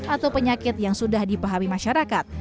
atau penyakit yang sudah dipahami masyarakat